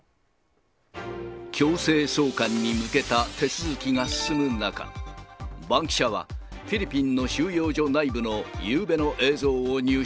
強制送還に向けた手続きが進む中、バンキシャは、フィリピンの収容所内部のゆうべの映像を入手。